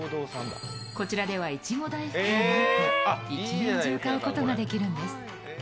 こちらでは、いちご大福をなんと１年中買うことができるんです。